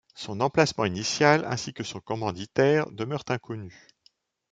Son emplacement initial, ainsi que son commanditaire, demeurent inconnus.